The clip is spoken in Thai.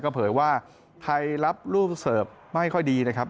เผยว่าไทยรับรูปเสิร์ฟไม่ค่อยดีนะครับ